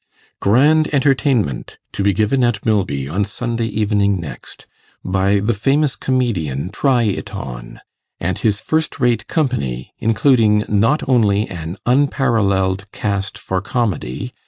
GRAND ENTERTAINMENT!!! To be given at Milby on Sunday evening next, by the FAMOUS COMEDIAN, TRY IT ON! And his first rate company, including not only an UNPARALLELED CAST FOR COMEDY!